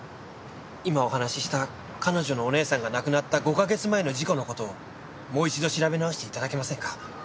今お話しした彼女のお姉さんが亡くなった５カ月前の事故の事をもう一度調べ直して頂けませんか？